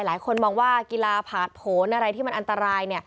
หลายคนมองว่ากีฬาผ่านผลอะไรที่มันอันตราย